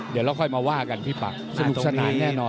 เดี๋ยวเราค่อยมาว่ากันพี่ปักสนุกสนานแน่นอน